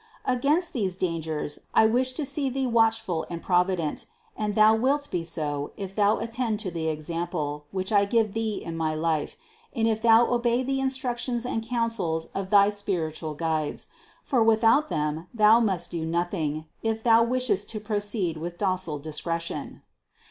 552. Against all these dangers I wish to see thee watchful and provident ; and thou wilt be so, if thou attend to the example, which I gave thee in my life, and if thou obey the instructions and counsels of thy spiritual guides; for without them thou must do nothing, if thou wishest to proceed with docile discretion.